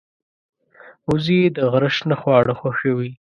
وزې د غره شنه خواړه خوښوي